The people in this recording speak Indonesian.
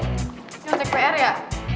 nih ngecek pr ya